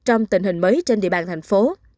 trong tình hình mới trên địa bàn thành phố